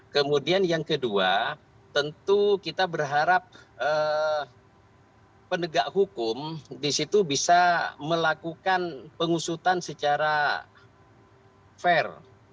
kemudian yang kedua tentu kita berharap penegak hukum disitu bisa melakukan pengusutan secara fair